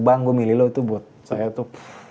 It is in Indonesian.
bang gue milih lo itu buat saya tuh